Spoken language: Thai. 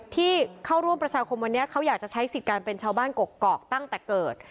ที่เข้าร่วมประชาคมวันนี้เขาอยากจะใช้สิทธิ์การเป็นชาวบ้านกกอกตั้งแต่เกิด